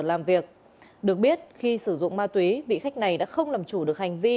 làm việc được biết khi sử dụng ma túy vị khách này đã không làm chủ được hành vi